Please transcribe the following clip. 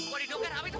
kok didongkar apa itu